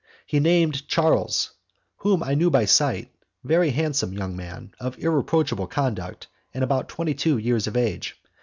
He named Charles whom I knew by sight very handsome young man, of irreproachable conduct, and about twenty two years of age.